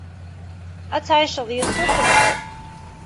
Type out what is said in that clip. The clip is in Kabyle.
Ad tɛiceḍ yid-s ur tebɣiḍ.